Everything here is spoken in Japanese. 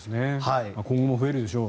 今後も増えるでしょう。